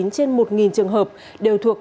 trên một trường hợp đều thuộc